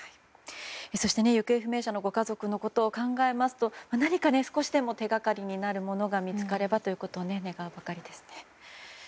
そして、行方不明者のご家族のことを考えますと何か少しでも手掛かりになるものが見つかればと願うばかりですね。